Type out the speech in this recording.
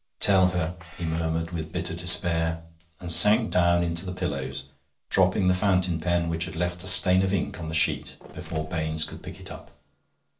'Tell her,' he murmured with bitter despair, and sank down into the pillows, dropping the fountain pen, which had left a stain of ink on the sheet before Baines could pick it up.